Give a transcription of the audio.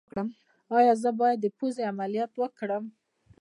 ایا زه باید د پوزې عملیات وکړم؟